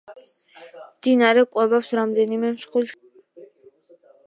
მდინარე კვებავს რამდენიმე მსხვილ სარწყავ არხს.